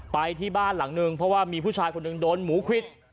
ไปที่บ้านหลังนึงเพราะว่ามีผู้ชายคนหนึ่งโดนหมูควิด